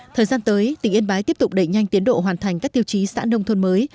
thời gian tới tỉnh yên bái tiếp tục đẩy nhanh tiến độ hoàn thành các tiêu chí xã nông thôn mới